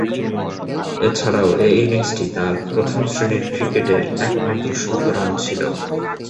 এছাড়াও, এ ইনিংসটি তার প্রথম-শ্রেণীর ক্রিকেটের একমাত্র শতরান ছিল।